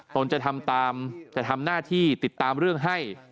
ต้องจะทำน่าที่ติดตามเรื่องให้